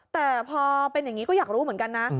แต่พอเป็นอย่างนี้ก็อยากรู้เหมือนกันนะ